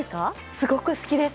すごく好きです。